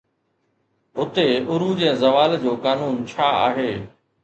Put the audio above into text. هتي عروج ۽ زوال جو قانون ڇا آهي؟